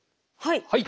はい！